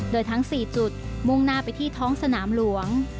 โดยทั้ง๔จุดมุ่งหน้าไปที่ท้องสนามหลวง